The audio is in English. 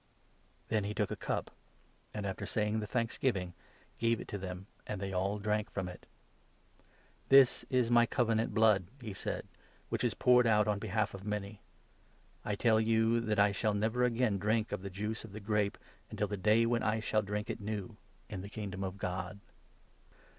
Then he took a cup, and, after saying the thanksgiving, gave 23 it to them, and they all drank from it. • "This is my Covenant blood," he said, "which is poured 24 out on behalf of many. I tell you that I shall never again 25 drink of the juice of the grape, until that day when I shall drink it new in the Kingdom of God."